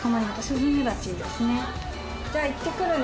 じゃあいってくるね。